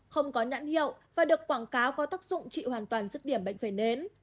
không có nhãn hiệu và được quảng cáo có tác dụng trị hoàn toàn dứt điểm bệnh phẩy nến